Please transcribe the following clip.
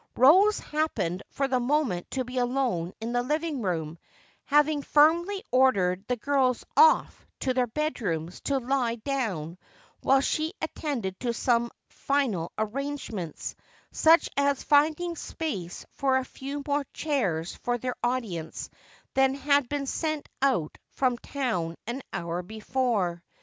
Rose happened for the moment to be alone in the living room, having firmly ordered the girls off to their bedrooms to lie down while she attended to some final arrangements, such as finding space for a few more chairs for their audience than had been sent out from town an hour before.